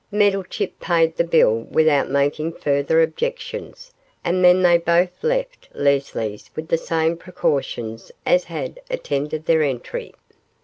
Meddlechip paid the bill without making further objections, and then they both left Leslie's with the same precautions as had attended their entry.